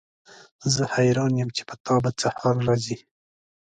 زه حیران یم چې په تا به څه حال راځي.